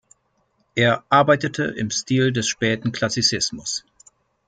Er arbeitete im Stil des späten Klassizismus.